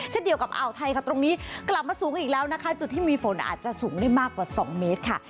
เช่นเดียวกับอ่าวไทยค่ะตรงนี้กลับมาสูงอีกแล้วนะคะจุดที่มีฝนอาจจะสูงได้มากกว่า๒เมตรค่ะ